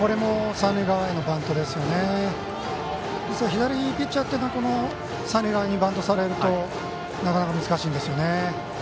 左ピッチャーというのは三塁側にバントされるとなかなか難しいんですよね。